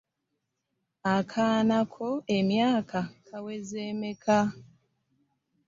Akaana ko emyaka kaweza emeka.